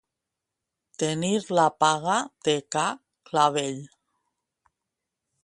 Tenir la paga de ca Clavell.